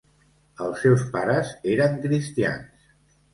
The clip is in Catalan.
Els seus pares eren cristians.